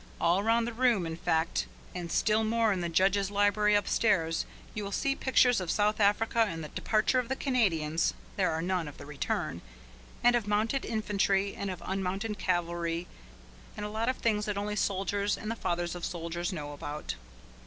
All round the room, in fact, and still more in the judge's library upstairs, you will see pictures of South Africa and the departure of the Canadians (there are none of the return), and of Mounted Infantry and of Unmounted Cavalry and a lot of things that only soldiers and the fathers of soldiers know about.